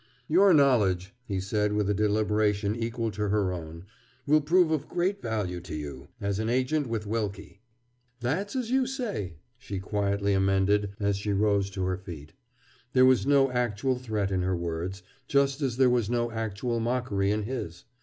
"Your knowledge," he said with a deliberation equal to her own, "will prove of great value to you—as an agent with Wilkie." "That's as you say!" she quietly amended as she rose to her feet. There was no actual threat in her words, just as there was no actual mockery in his.